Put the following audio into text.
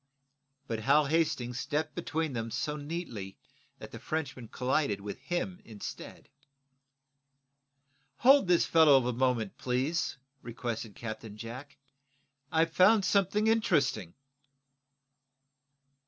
But Hal Hastings stepped between them so neatly that the Frenchman collided with him instead. "Hold this fellow a moment, please," requested Captain Jack. "I've found something interesting."